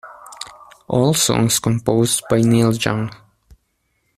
All songs composed by Neil Young